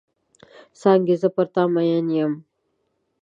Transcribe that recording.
څانګې زه پر تا مئن یم.